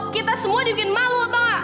kita semua dibikin malu tau gak